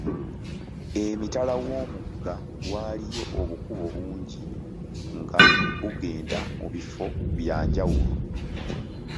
Emitala w'omugga waaliyo obukubo bungi nga bugenda mu bifo bya njawulo.